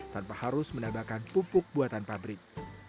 tanpa harus menambahkan pupuk buatan pabrik